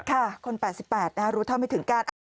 คน๘๘รู้เท่าไม่ถึงการ